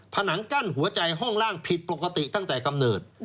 ผนังกั้นหัวใจห้องล่างผิดปกติตั้งแต่กำเนิด